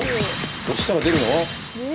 押したら出るの？